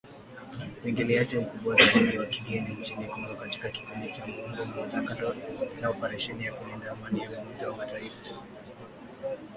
Uingiliaji mkubwa zaidi wa kigeni nchini Kongo katika kipindi cha muongo mmoja kando na operesheni ya kulinda Amani ya Umoja wa Mataifa.